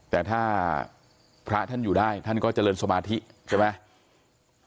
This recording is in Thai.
แต่ถ้าพระท่านอยู่ได้ท่านก็เจริญสมาธิใช่ไหม